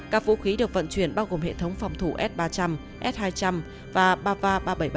các vũ khí được vận chuyển bao gồm hệ thống phòng thủ s ba trăm linh s hai trăm linh và bava ba trăm bảy mươi ba